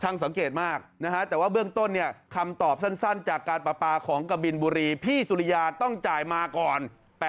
สังเกตมากนะฮะแต่ว่าเบื้องต้นเนี่ยคำตอบสั้นจากการประปาของกะบินบุรีพี่สุริยาต้องจ่ายมาก่อน